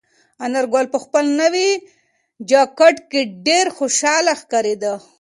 انارګل په خپل نوي جاکټ کې ډېر خوشحاله ښکارېده.